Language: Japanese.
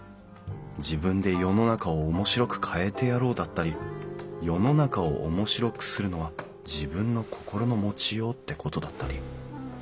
「自分で世の中を面白く変えてやろう」だったり「世の中を面白くするのは自分の心の持ちよう」ってことだったり。